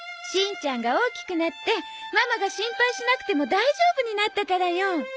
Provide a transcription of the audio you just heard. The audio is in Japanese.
しんちゃんが大きくなってママが心配しなくても大丈夫になったからよ。